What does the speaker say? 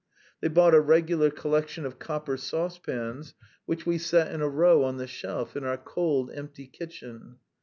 They bought a regular collection of copper saucepans, which we set in a row on the shelf in our cold, empty kitchen.